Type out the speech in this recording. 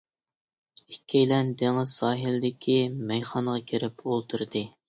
ئىككىيلەن دېڭىز ساھىلىدىكى مەيخانىغا كىرىپ ئولتۇردى.